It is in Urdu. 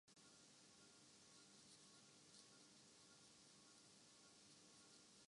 جیسے ایک طرف دھوپ تو ایک طرف چھاؤں ہے کہیں وصل تو دوسرے لمحےفراق